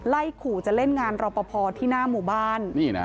ไล่ขู่จะเล่นงานรอปภที่หน้าหมู่บ้าน